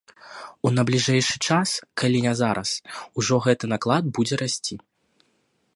У найбліжэйшы час, калі не зараз, ужо гэты наклад будзе расці.